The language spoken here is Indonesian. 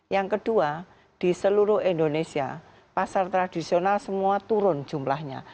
yang kedua di seluruh indonesia pasar tradisional semua turun jumlahnya